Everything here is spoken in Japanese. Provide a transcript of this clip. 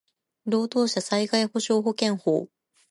労働者災害補償保険法